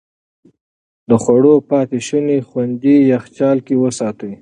د خوړو پاتې شوني خوندي يخچال کې وساتئ.